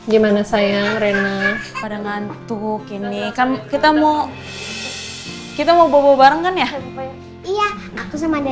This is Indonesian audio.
gimana sayang rena pada ngantuk ini kan kita mau kita mau bobo bareng kan ya iya aku sih mainnya